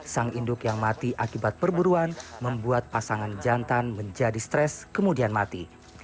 sang induk yang mati akibat perburuan membuat pasangan jantan menjadi stres kemudian mati